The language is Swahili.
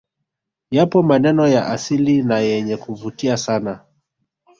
Yapo maneno ya asili na yenye kuvutia sana